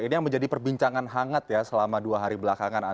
ini yang menjadi perbincangan hangat ya selama dua hari belakangan